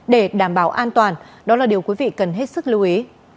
để đảm bảo an toàn đó là điều quý vị cần hết sức lưu ý